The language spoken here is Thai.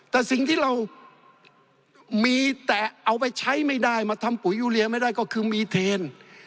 แต่สิ่งที่เรามีแต่เอาไปใช้ไม่ได้มาทำปุ๋ยยูเรียไม่ได้ก็คือมีเทน